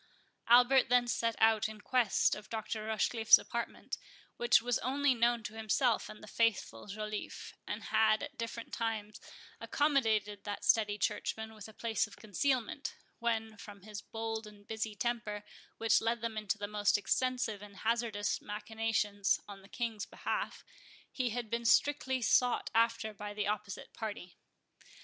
Albert then set out in quest of Dr. Rochecliffe's apartment, which was only known to himself and the faithful Joliffe, and had at different times accommodated that steady churchman with a place of concealment, when, from his bold and busy temper, which led him into the most extensive and hazardous machinations on the King's behalf, he had been strictly sought after by the opposite party.